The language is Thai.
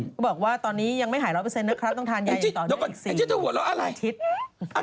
ก็บอกว่าตอนนี้ยังไม่หาย๑๐๐นะครับต้องทานยาอย่างตอนนี้อีก๔อาทิตย์